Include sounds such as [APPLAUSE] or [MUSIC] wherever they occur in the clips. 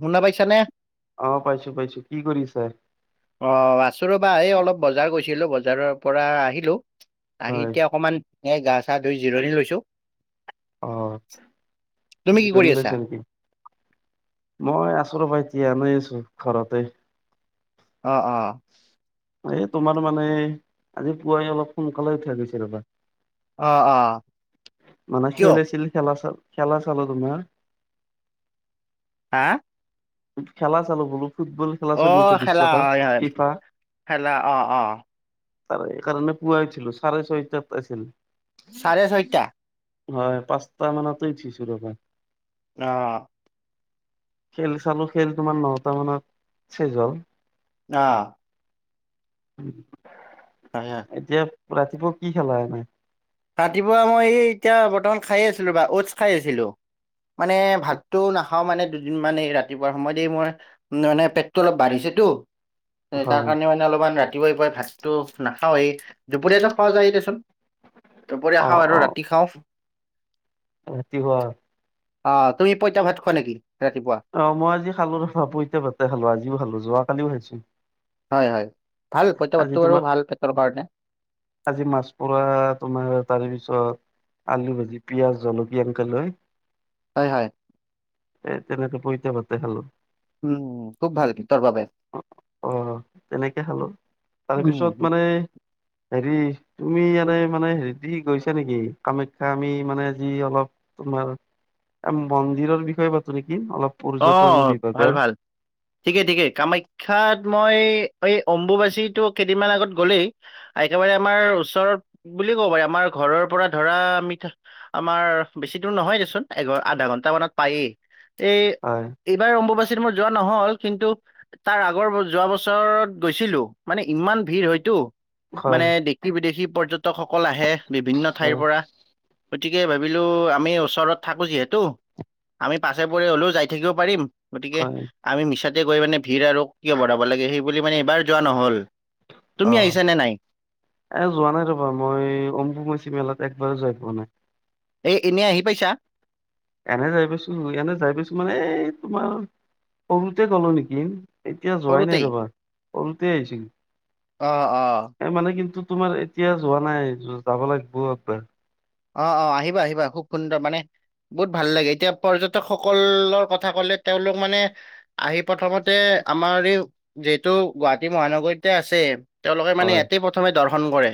শুনা পাইছা নে? অ পাইছো পাইছো। কি কৰিছে? অ আছো ৰ'বা এই অলপ বজাৰ গৈছিলো বজাৰৰ পৰা আহিলো। আহি হয় এতিয়া অকমান এ গা চা ধুই জিৰণি লৈছোঁ। অ তুমি কি কৰি জিৰণি আছা? লৈছা নেকি মই আছো ৰ'বা এতিয়া এনেই আছো ঘৰতে। অ অ। এই তোমাৰ মানে আজি পুৱাই অলপ সোনকালে উঠা গৈছে ৰ'বা। অ অ মানে কিয়? খেল হৈছিল খেলা খেলা চালো তোমাৰ। আ। খেলা চালো বোলো ফুটবল। খেলা অ চলি আছে খেলা বিশ্বকাপ হয় হয় ফিফা খেলা অ অ। ত এইকাৰণে পুৱা উঠিলোঁ চাৰে ছয়টাত পাইছিলোঁ। চাৰে ছয়টা। হয় পাঁচটা মানতেই উঠিছোঁ ৰ'বা। অ। খেল চালো খেল তোমাৰ নটা মানত চেজ হ'ল। অ। [INAUDIBLE] হাহিয়া এতিয়া ৰাতিপুৱা কি খালা এনেই? ৰাতিপুৱা মই এই এতিয়া বৰ্তমান খাইয়ে আছিলোঁ ৰবা অ'ডছ খাই আছিলোঁ। মানে ভাতটো নাখ- খাওঁ মানে দুদিন মান এই ৰাতিপুৱাৰ সময়ত এই মোৰ মানে পেটটো অলপ বাঢ়িছেতো। তাৰ হয় কাৰণে মানে অলপমান ৰাতিপুৱাই পুৱাই ভাতটো নাখাওঁৱেই দুপৰীয়া খাওঁ যায় দেচোন। দুপৰীয়া অ খাওঁ অ আৰু ৰাতি খাওঁ। ৰাতি শুৱা। অ তুমি পইতা ভাত খোৱা নেকি ৰাতিপুৱা? অ মই আজি খালো [UNINTELLIGIBLE] পঁইতা ভাতে খালো। আজিও খালো, যোৱা কালিও খাইছো। হয়, হয়। ভাল পঁইতা আজি ভাতটো বাৰু তোমাৰ ভাল পেটৰ কাৰণে। আজি মাছ পুৰা তোমাৰ তাৰে পিছত আলু ভাজি, পিয়াঁজ, জলকীয়া এনকে লৈ হয়, হয়। এ তেনেকে পঁইতা ভাতে খালো। উম, খুব ভাল পেটৰ বাবে। তাৰপিছত উম মানে হেৰি তুমি এনে মানে হেৰিত দেখি গৈছা নেকি? কামাখ্যা আমি মানে যি অলপ তোমাৰ এ মন্দিৰৰ বিষয়ে পাতো নেকি অলপ? অ পৰ্যটন ভাল, বিভাগৰ ভাল। ঠিকে, ঠিকে। কামাখ্যাত মই এই অম্বুবাচীটো কেইদিনমান আগত গ'লেই। একেবাৰে আমাৰ ওচৰত বুলি ক'ব পাৰি। আমাৰ ঘৰৰ পৰা ধৰা মিঠা আমাৰ বেছি দূৰ নহয় দেচোন এঘ আধা ঘন্টা মানত পায়েই। এই হয়। এইবাৰ অম্বুবাচিত মোৰ যোৱা নহ'ল, কিন্তু তাৰ আগৰ যোৱা বছৰত গৈছিলো, মানে ইমান ভিৰ হয়তো। হয় মানে দেশী বিদেশী পৰ্যটকসকল আহে, বিভিন্ন হয় ঠাইৰ পৰা। গতিকে ভাবিলোঁ আমি ওচৰত থাকো যিহেতু, আমি পাছে পৰে হ'লো যাই থাকিব পাৰিম, গতিকে হয় আমি মিছাতে গৈ মানে ভিৰ আৰু কিয় বঢ়াব লাগে সেই বুলি মানে এইবাৰ যোৱা নহ'ল, অ তুমি আহিছা নে নাই। এ যোৱা নাই ৰ'বা, মই অম্বুবাচি মেলাত একবাৰো যাই পোৱা নাই। এই‌ এনেই আহি পাইছা। এনে যাই পাইছো, এনে যাই পাইছো মানে এই তোমাৰ, সৰুতে গ'লো নেকি। এতিয়া যোৱাই নাই সৰুতেই ৰ'বা, সৰুতে আহিছিল। অ', অ'। এই মানে কিন্তু তোমাৰ এতিয়া যোৱা নাই, যাব লাগিব একবাৰ। অ', অ', আহিবা- আহিবা, খুব সুন্দৰ মানে বহুত ভাল লাগে, এতিয়া পৰ্যটকসকলৰ কথা ক'লে তেওঁলোক মানে আহি প্ৰথমতে আমাৰ এই যিহেতু গুৱাহাটী মহানগৰীতে আছে। তেওঁলোকে মানে হয় ইয়াতে প্ৰথমে দৰ্শন কৰে,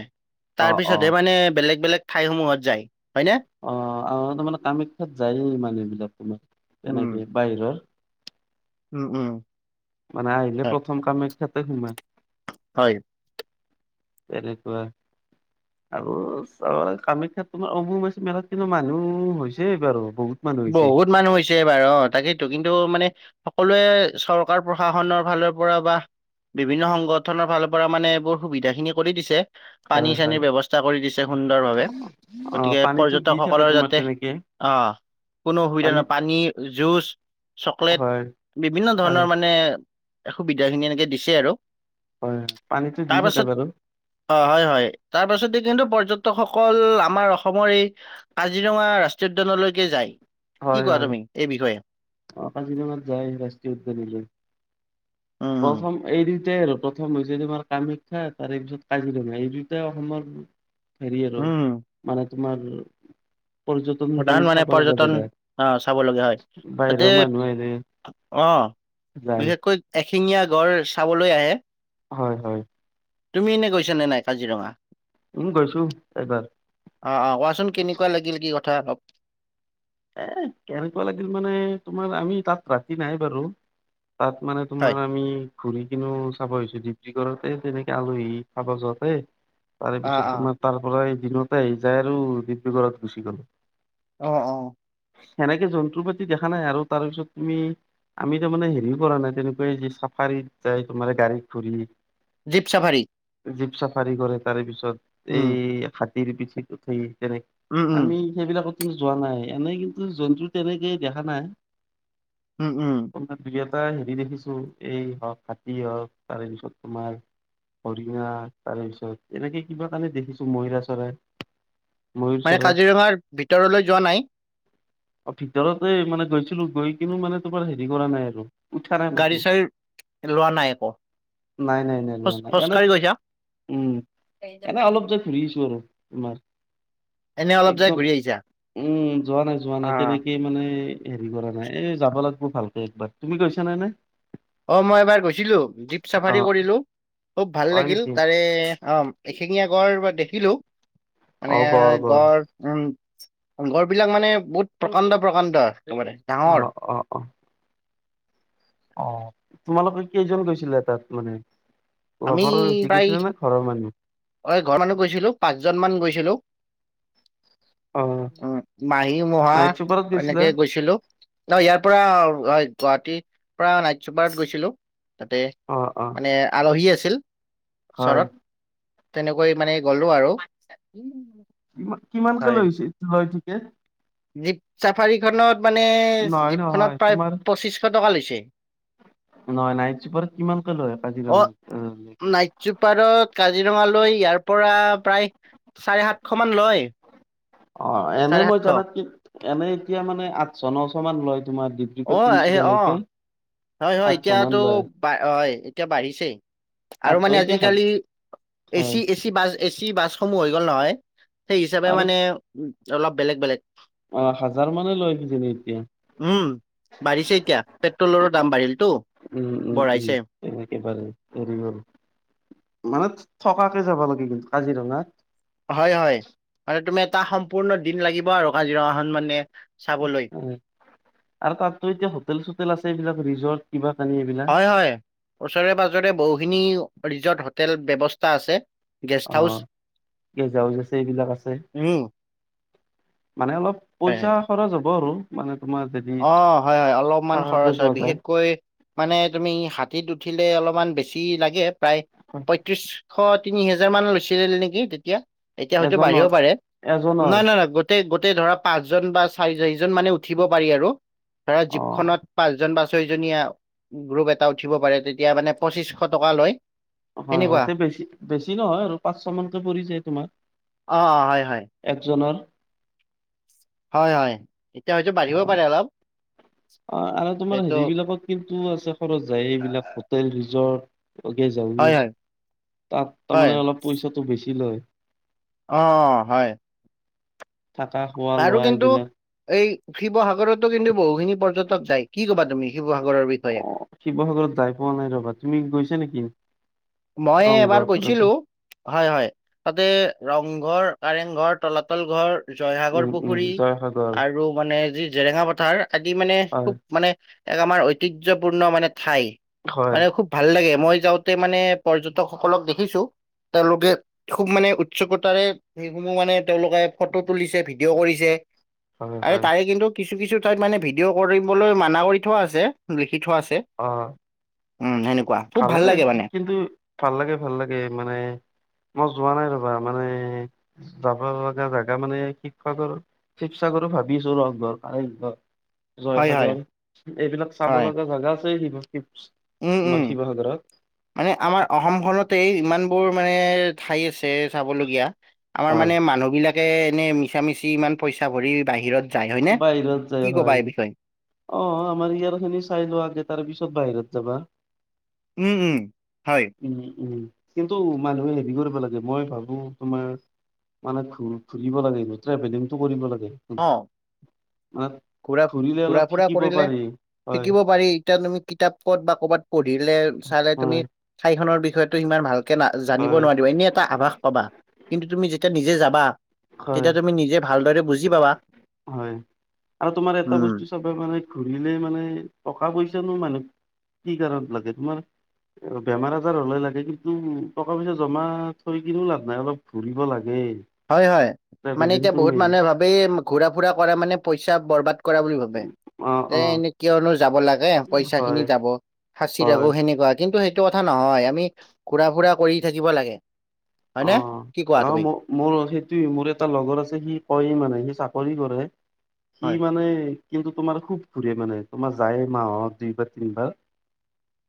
অ তাৰ অ পিছতহে মানে বেলেগ- বেলেগ ঠাইসমূহত যায়। হয়নে অ', আৰু তাৰ মানে কামাখ্যাত যায়েই মানুহবিলাক তোমাৰ, উম তেনেকে বাহিৰৰ। উম, উম। মানে আহিলে হয় প্ৰথম কামাখ্যাতে সোমাই। হয়। তেনেকুৱা। আৰু চাবা কামাখ্যাত তোমাৰ অম্বুবাচী মেলাত কিন্তু মানুহ হৈছে এইবাৰো বহুত মানুহ হৈছে বহুত মানুহ হৈছ এইবাৰ অ', তাকেইতো, কিন্তু মানে সকলোৱে চৰকাৰ প্ৰশাসনৰ ফালৰ পৰা বা বিভিন্ন সংগঠনৰ ফালৰ পৰা মানে এইবোৰ সুবিধা খিনি কৰি দিছে। পানী হয় হয় চানীৰ ব্যৱস্থা কৰি দিছে, সুন্দৰভাৱে। অ গতিকে পানীতো দি থাকে পৰ্যটকসকলৰ তোমাৰ যাতে, তেনেকে অ'। কোনো অসুবিধা পানীত নহয়, পানী, জুচ, চকলেট হয় বিভিন্ন হয় ধৰণৰ মানে মানে সুবিধাখিনি এনেকে দিছে আৰু। হয়, পানীটো দি তাৰ থাকে পাছত বাৰু। অ', হয়-হয়, তাৰ পাছতে কিন্তু পৰ্যটকসকল আমাৰ অসমৰ এই কাজিৰঙা ৰাষ্ট্ৰীয় উদ্যানলৈকে যায়। কি কোৱা হয়, তুমি এই হয়, বিষয়ে অ', কাজিৰঙাত যায় ৰাষ্ট্ৰীয় উদ্যানলৈ। উম উম প্ৰথম এই দুটাই আৰু প্ৰথম হৈছে তোমাৰ কামাখ্যা তাৰে পিছত কাজিৰঙা। এই দুটাই অসমৰ হেৰি আৰু উম মানে তোমাৰ পৰ্যটনৰ কাৰণে চাব লগা জেগা। অ চাব লগীয়া হয়, তাতে বাহিৰৰ মানুহ আহিলে অ যায় বিশেষকৈ এশিঙীয়া গঁড় চাবলৈ আহে। হয়, হয়। তুমি এনে গৈছা নে নাই কাজিৰঙা? উম গৈছো একবাৰ। অ অ কোৱাচোন কেনেকুৱা লাগিল কি কথা অলপ? এহ‌‌ কেনেকুৱা লাগিল মানে তোমাৰ আমি তাত ৰাতি নাই বাৰু। তাত মানে হয় তোমাৰ আমি ঘুৰি কিনো চাব আহিছে দিপ কি কৰতে তেনেকে আলহী খাব যোৱাতে তাৰে অ পিছত অ তোমাৰ তাৰ পৰা এই দিনতে আহি যাই আৰু ডিব্ৰুগড়ত গুচি গ'ল। অ অ। সেনেকে জন্তুৰ প্ৰতি দেখা নাই, আৰু তাৰ পিছত তুমি? আমিতো মানে হেৰিও কৰা নাই তেনেকুৱা এ চাফাৰীত যাই তোমাৰ গাড়ীত ঘূৰি জীপ চাফাৰী। জীপ চাফাৰী কৰে তাৰে পিছত, উম এই হাতীৰ পিঠ উঠি তেনেক- উম উম আমি সেইবিলাকত কিন্তু যোৱা নাই, এনেই কিন্তু জন্তু তেনেকেই দেখা নাই। উ উম। ত দুই এটা হেৰি দেখিছো এই হওক হাতী হওক তাৰে পিছত তোমাৰ। হৰিহা তাৰে পিছত এনেকে কিবা কাৰণে দেখিছো মহিৰা চৰাই। ময়ুৰ মানে চৰাই কাজিৰঙাৰ ভিতৰলে যোৱা নাই? অ ভিতৰতে মানে গৈছিলো গৈ কিনো মানে তোমাৰ হেৰি কৰা নাই আৰু। উঠা নাই ক'তো গাড়ী চাড়ী লোৱা নাই একো? নাই নাই নাই লোৱা নাই। এনেপ উম, এনে অলপ যে ঘুৰি আহিছো, আৰু তোমাৰ এনে অলপ যাই একদম ঘূৰি আহিছা। উম, যোৱা নাই, যোৱা অ নাই তেনেকেই মানে। হেৰি কৰা নাই, এই যাব লাগিব ভালকে একবাৰ। তুমি গৈছা না নাই? অ মই এবাৰ গৈছিলোঁ জীপ অ চাফাৰী কৰিলোঁ খুব ভাল হয় লাগিল। নেকি তাৰে অ এখিঙীয়া গড় বা দেখিলো। মানে গড় উম, গড় বিলাক মানে বহুত প্ৰকাণ্ড প্ৰকাণ্ড একেবাৰে। অ ডাঙৰ অ অ। অ তোমালোকৰ কেইজন গৈছিলা তাত মানে? আমি লগৰৰ হেটি গৈছিলা নে ঘৰৰ মানুহ? ঐ ঘৰ মানুহ গৈছিলো, পাঁচজন মান গৈছিলো। অ উম, মাহী মহা নাইট চুপাৰত গৈছিলা এনেকে গৈছিলো। অ ইয়াৰ পৰা হয় গুৱাহাটীৰ পৰা নাইট চুপাৰত গৈছিলো তাতে। অ অ। এ আলহী আছিল হয় চৰত। তেনেকৈ মানে গলো আৰু [UNINTELLIGIBLE] কিমান কিমানকে হয় লৈছে লয় ঠিকে জীপ চাফাৰী খনত মানে নহয় জীপ নহয় খনত প্ৰায় তোমাৰ পঁচিশ টকা লৈছে। নহয় নাইট চুপাৰত কিমান কে লয় এটা দিৰনাত? অ সেনেকে নাইট চুপাৰত কাজিৰঙা লৈ ইয়াৰ পৰা প্ৰায় চাৰে সাতশমান লয়। অ এনে চাৰে মই সাতশ জানাত কি এনে এতিয়া মানে আঠশ নশ মান লয়, তোমাৰ দি অ বিপল এ তিনিচুকিয়া অ লৈকে। হয় হয় এতিয়াতো বা হয় এতিয়া বাঢ়িছে। আৰু আঠশ মানে এতিয়া আজিকালি হাজাৰ এচি হয় এচ- এচি বাছ এচি বাছসমূহ হৈ গ'ল নহয় সেই হিচাপে আৰু মানে উ' অলপ বেলেগ-বেলেগ। অ' হাজাৰ মানে লয় কিজানি এতিয়া উম, বাঢ়িছে এতিয়া পেট্ৰলৰ উম-উম-উম, মানে থকাকে যাব লাগি গল কাজিৰঙা। হয়-হয় মানে তুমি এটা সম্পূৰ্ণ দিন লাগিব আৰু কাজিৰঙাখন মানে চাবলৈ। হয় আৰু তাততো এতিয়া হোটেল চোটেল আছে এইবিলাক ৰিজৰ্ট কিবা কানি এইবিলাক- হয়-হয় ওচৰে পাজৰে বহুখিনি ৰিজৰ্ট হোটেল ব্যৱস্থা আছে। গেষ্ট হাউচ অ', গেজহাউজ আছে এইবিলাক আছে- উম মানে অলপ হয় হয় পইচা খৰচ হ'ব আৰু মানে তোমাৰ যদি অ', হয়-হয় অলপমান থাকাকে খৰচ হয়, যোৱা যায়। বিশেষকৈ মানে তুমি হাতীত উঠিলে অলপমান বেছি লাগে, প্ৰায় হয়। পঁয়ত্ৰিশ তিনি হেজাৰ মান লৈছিল নেকি তেতিয়া। এতিয়া হয়তো বাঢ়িব এজনৰ পাৰে এজনৰ নাই-নাই-নাই গো-গোটেই ধৰা পাঁচজন বা চাৰি চাৰিজন মানে উঠিব পাৰি আৰু- ধৰা অ জীপ খনত পাঁচজন বা ছয়জনীয়া গ্ৰুপ এটা উঠিব পাৰে তেতিয়া মানে পঁচিছশ টকা লয়- হয়-হয় সেনেকুৱা। তে বেছি-বেছি নহয় আৰু পাঁচছ মানকে পৰিছে তোমাৰ। অ', অ', হয়, হয়, একজনৰ- হয়-হয় এতিয়া হয়তো অ বাঢ়িব পাৰে অলপ। অ আৰু তোমাৰ যিহেতু হেৰি বিলাকত কিন্তু আছে খৰচ যায় এইবিলাক হোটেল ৰিজৰ্টজ হয়, হয়, গেছসাওছ হয়, তাৰমানে অলপ পইচাটো বেছি লয়, অঁ অঁ হয়। থাকা হব আৰু কিন্ত এই শিৱসাগৰতো কিন্তু বহুখিনি পৰ্যটক যায়। কি ক'বা তুমি শিৱসাগৰৰ বিষয়ে? শিৱসাগৰত যাই পোৱা নাই ৰবা তুমি গৈছা নেকি? মই এবাৰ ৰংঘৰ গৈছিলো। কাৰেংঘৰ? হয়-হয় তাতে ৰংঘৰ, কাৰেং ঘৰ, তলাতল ঘৰ জয়সাগৰ উম উম পুখুৰী জয়সাগৰ আৰু মানে যি জেৰেঙা পথাৰ আদি মানে হয় খুব মানে এক আমাৰ ঐতিহ্যপূৰ্ণ মানে ঠাই হয় মানে খুব ভাল লাগে, মই যাওঁতে মানে পৰ্যটকসকলক দেখিছো, তেওঁলোকে খুব মানে উৎসুকতাৰে সেইসমূহ মানে তেওঁলোকে ফটো তুলিছে ভিডিঅ' কৰিছে, হয় আৰু হয় তাই কিন্তু কিছু কিছু ঠাইত মানে ভিডিঅ' কৰিবলৈ মানা কৰি থোৱা আছে লিখি থোৱা আছে। অঁ উম সেনেকুৱা। খুব ভালে ভাল লাগে মানে। কিন্তু ভাল লাগে ভাল লাগে মানে মই যোৱা নাই ৰবা মানে যাব লগা জেগা মানে শিক্ষকৰ শিৱসাগৰ কৰ ভাবিছো ৰ ঘৰ কাৰ [UNINTELLIGIBLE] হয়, হয়, জয়সাগৰ এইবিলাক চাব হয়। লগা জাগা আছে শিৱসাগত। উম উম। শিৱসাগৰত। মানে আমাৰ অসমখনতে ইমান বোৰ মানে ঠাই আছে চাবলগীয়া আমাৰ হয়। মানে মানুহ বিলাকে এনে মিছা মিচি ইমান পইচা ভৰি বাহিৰত যাই হয়নে বাহিৰত যায় কি হয় কবা এই বিষয়ে? অ আমাৰ ইয়াৰ খিনি চাই লোৱা আগে তাৰ পিছত বাহিৰত যাবা। উম উম হয়। উম উম কিন্তু মানুহে হেৰি কৰিব লাগে মই ভাবো তোমাৰ মানে ফুৰিব লাগে ট্ৰেভেলিংটো কৰিব লাগে মানে পুৰা ঘুৰিলে পুৰা অলপ ফুৰা শিকিব কৰিলে পাৰি হয় শিকিব পাৰি এতিয়া তুমি কিতাপত বা ক'ৰবাত পঢ়িলে চালে হয় তুমি, ঠাইখনৰ বিষয়েতো সিমান ভালকে না জানিব হয় নোৱাৰিবা এনে এটা আভাস পাবা। কিন্তু তুমি যেতিয়া নিজে যাবা হয় তেতিয়া তুমি নিজে ভালদৰে বুজি পাবা। হয় আৰু তোমাৰ এটা উম বস্তু, চবে মানে ঘূৰিলে মানে টকা পইচানো মানে কি কাৰণ লাগে তোমাৰ, বেমাৰ আজাৰ হ'লেই লাগে কিন্তু টকা পইচা জমা থৈ কিনো লাভ নাই অলপ ঘুৰিব লাগে, হয় হয় মানে এতিয়া ট্ৰেভেলিংটো বহুত মেইন মানুহে ভাবেই ঘূৰা ফুৰা কৰা মানে পইচা বৰবাদ কৰা বুলি ভাবে অ যে অ এনে কিয়নো যাব লা গে পইচা খিনি হয় যাব সাঁচি ৰাখো হয় সেনেকৌৱা কিন্তু সেই টো কথা নহয় আমি ঘুৰা ফুৰা কৰি থাকিব লাগে। অ হয়নে কি কোৱা অ তুমি? ম মোৰ সেইটোে মোৰ এটা লগৰ আছে সি কয়েই মানে সি চাকৰি কৰে সি হয় মানে কিন্তু তোমাৰ খুব ঘূৰে মানে তোমাৰ যায় মাহত দুইবাৰ তিনবাৰ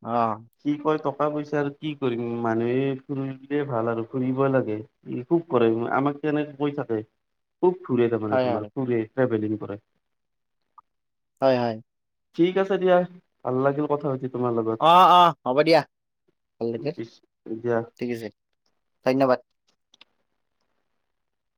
অ কি কয় টকা পইচা আৰু কি কৰিম মানুহে ফুৰিলে ভাল আৰু ফুৰিব লাগে ই খুব কৰে আমাক কেনেকে কৈ থাকে খুব ফুৰে তাৰ মানে হয় তোমাৰ হয় ফুৰে ট্ৰেভেলিং কৰে। হয় হয় ঠিক আছে দিয়া ভাল লাগিল কথা পাতি। তোমাৰ লগত অ অ হ'ব দিয়া ভাল লে পিছ দিয়া ঠিক আছে ধন্যবাদ।